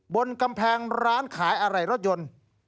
บนกำแพงร้านขายอะไหล่รถยนต์